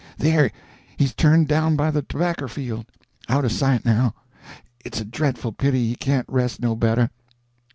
There, he's turned down by the tobacker field. Out of sight now. It's a dreadful pity he can't rest no better."